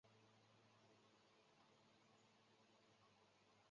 其它改装主要是为了更好地支持机上人员。